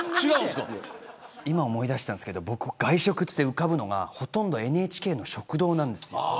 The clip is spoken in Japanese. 今、思い出したんですけど外食で浮かぶのがほとんどＮＨＫの食堂なんです。